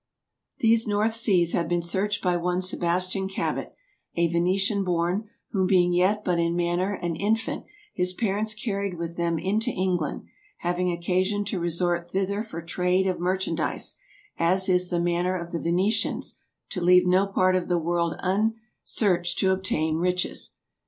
THese North Seas haue bene searched by one Sebastian Cabot, a Venetian borne, whom being yet but in maner an infant, his parents carried with them into England, hauing occasion to resort thither for trade of marchandise, as is the maner of the Venetians to leaue no part of the world vn searched to obtaine riches.